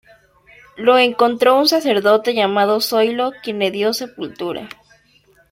Lo encontró un sacerdote llamado Zoilo, quien le dio sepultura.